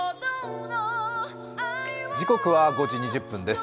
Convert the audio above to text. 時刻は５時２０分です。